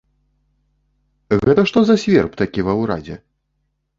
Гэта што за сверб такі ва ўрадзе?